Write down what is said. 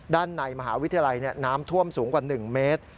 ด้านในมหาวิทยาลัยน้ำท่วมสูงกว่า๑เมตร